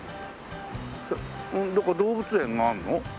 どこか動物園があるの？